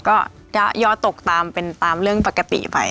ก็ยอดตกตามเป็นตามเรื่องปกติไป